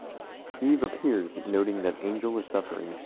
Eve appears, noting that Angel is suffering.